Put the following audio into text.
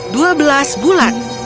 dua belas bulat